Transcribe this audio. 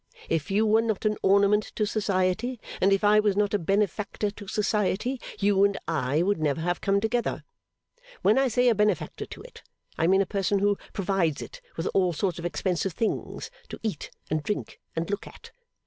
If you were not an ornament to Society, and if I was not a benefactor to Society, you and I would never have come together. When I say a benefactor to it, I mean a person who provides it with all sorts of expensive things to eat and drink and look at.